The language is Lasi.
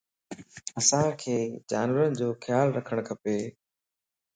اسانک جانورين جو خيال رکڻ کپَ